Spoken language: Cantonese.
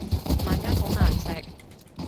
萬一好難食